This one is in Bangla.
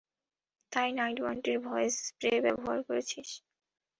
তুই নাইডু আন্টির ভয়েজ স্প্রে ব্যবহার করেছিস?